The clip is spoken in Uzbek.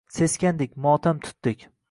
Seskandik, motam tutdik.